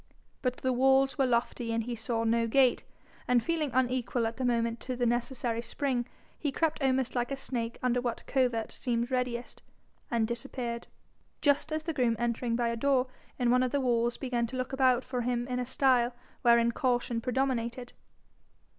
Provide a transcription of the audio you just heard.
But the walls were lofty and he saw no gate, and feeling unequal at the moment to the necessary spring, he crept almost like a snake under what covert seemed readiest, and disappeared just as the groom entering by a door in one of the walls began to look about for him in a style wherein caution predominated.